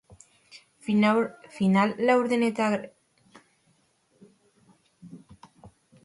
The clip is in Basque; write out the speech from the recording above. Final-laurdenetarako txartela lortzeko bidean aurkari nagusia da baskoniarrentzat.